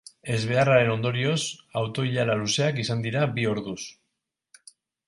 Ezbeharraren ondorioz, auto-ilara luzeak izan dira bi orduz.